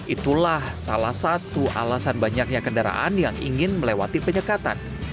itulah salah satu alasan banyaknya kendaraan yang ingin melewati penyekatan